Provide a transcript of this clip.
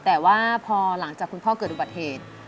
แต่ว่าพอหลังจากคุณพ่อเกิดอุบัติเหตุ